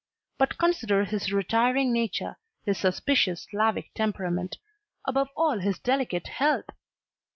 But consider his retiring nature, his suspicious Slavic temperament, above all his delicate health!